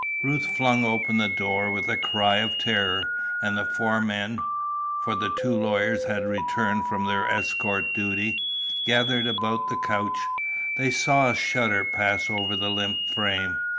Ruth flung open the door with a cry of terror, and the four men for the two lawyers had returned from their escort duty gathered about the couch. They saw a shudder pass over the limp frame.